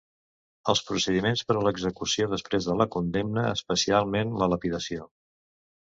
Els procediments per a l'execució després de la condemna, especialment la lapidació.